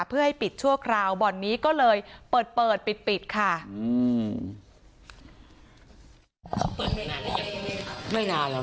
เพื่อให้ปิดชั่วคราวบ่อนนี้ก็เลยเปิดปิดค่ะ